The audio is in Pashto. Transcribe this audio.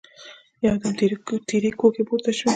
يودم تېرې کوکې پورته شوې.